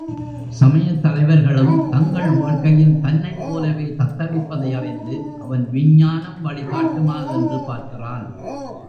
சமயத் தலைவர்களும் தங்கள் வாழ்க்கையில் தன்னைப் போலவே தத்தளிப்பதை அறிந்து, அவன் விஞ்ஞானம் வழி காட்டுமா என்று பார்க்கிறான்.